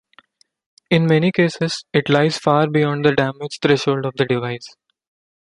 In many cases, it lies far beyond the damage threshold of the device.